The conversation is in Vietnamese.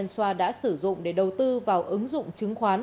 xoa đã sử dụng để đầu tư vào ứng dụng chứng khoán